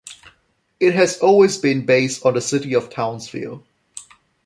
It has always been based on the city of Townsville.